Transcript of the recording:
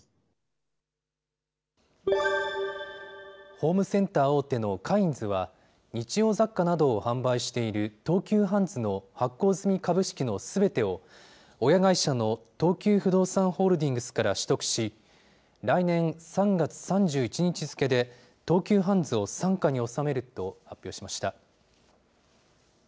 ホームセンター大手のカインズは、日用雑貨などを販売している東急ハンズの発行済み株式のすべてを親会社の東急不動産ホールディングスから取得し、来年３月３１日付けで、東急ハンズを傘下におさめると発表しました。